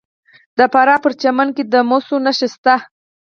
د فراه په پرچمن کې د مسو نښې شته.